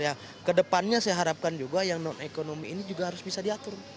ya kedepannya saya harapkan juga yang non ekonomi ini juga harus bisa diatur